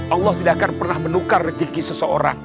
allah tidak akan pernah menukar rezeki seseorang